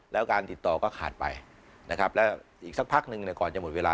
แล้วการติดต่อก็ขาดไปนะครับแล้วอีกสักพักหนึ่งก่อนจะหมดเวลา